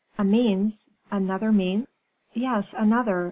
"A means another means!" "Yes, another.